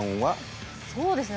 そうですね